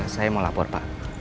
saya mau lapor pak